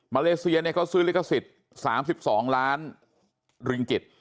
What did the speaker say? เลเซียเนี่ยเขาซื้อลิขสิทธิ์๓๒ล้านริงกิจ